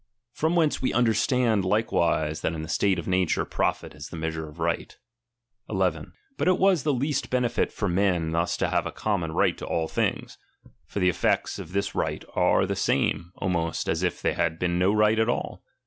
From whence we under ^| stand likewise, that in the state of nature profit is the measure of right. 11. But it was the least benefit for men thus toThBriRWof have a common right to all things. For the eftects unptgfiiobiB of this right are the same, almost, as if there had been no right at all.